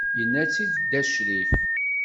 Yenna-tt-id dda Ccrif.